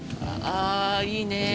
あいいね。